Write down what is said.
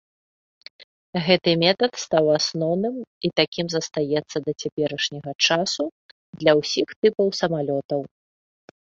Гэты метад стаў асноўным і такім застаецца да цяперашняга часу для ўсіх тыпаў самалётаў.